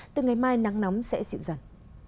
từ ngày mai nắng nóng sẽ dịu dần